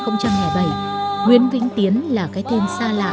nguyễn vĩnh tiến là cái tên xa lạ